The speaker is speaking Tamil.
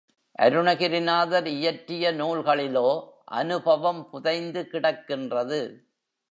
அருணகிரிநாதர் இயற்றிய நூல்களிலோ அநுபவம் புதைந்து கிடக்கின்றது.